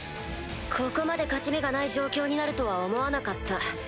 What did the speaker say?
ここまで勝ち目がない状況になるとは思わなかった。